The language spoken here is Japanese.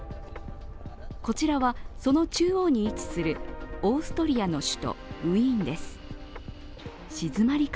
こちらはその中央に位置するオーストリアの首都、ウィーンです。